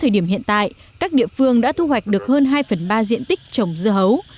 điểm hiện tại các địa phương đã thu hoạch được hơn hai phần ba diện tích trồng dưa hấu